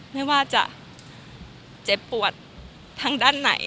ไม่ว่าจะเจ็บปวดทางด้านไหน